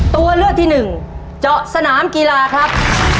ตัวเลือกที่หนึ่งเจาะสนามกีฬาครับ